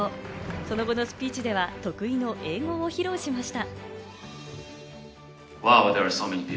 その後のスピーチでは得意の英語を披露しました。